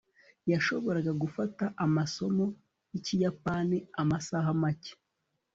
yashoboraga gufata amasomo yikiyapani amasaha make